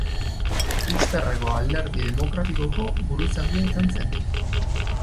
Ulsterreko Alderdi Demokratikoko buruzagia izan zen.